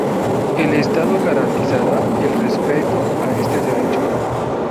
El Estado garantizará el respeto a este derecho.